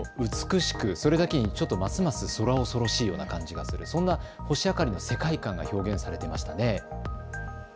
美しくそれだけにちょっとますますそら恐ろしいような感じですけれどもそんな星あかりの世界観が表現されていましたね。